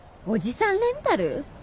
おじさんレンタル？